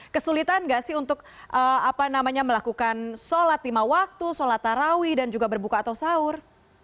kesulitan gak sih untuk melakukan sholat lima waktu sholat tarawih dan juga berbuka atau sahur